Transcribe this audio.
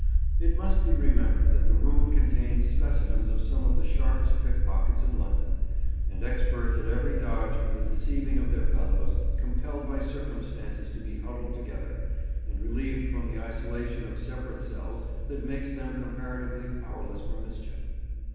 It must be remembered that the room contains specimens of some of the sharpest pickpockets in London, and experts at every dodge for the deceiving of their fellows, compelled by circumstances to be huddled together, and relieved from the isolation of separate cells that makes them comparatively powerless for mischief.